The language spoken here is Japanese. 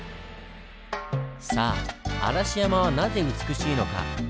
さあ嵐山はなぜ美しいのか？